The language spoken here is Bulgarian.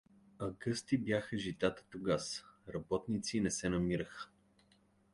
А гъсти бяха житата тогаз, работници не се намираха.